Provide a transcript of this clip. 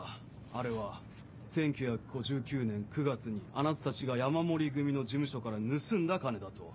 あれは１９５９年９月にあなたたちが山守組の事務所から盗んだ金だと。